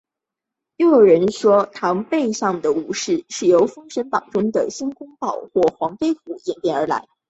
又有人说是狮背上的武士是由封神榜中的申公豹或黄飞虎演变而来。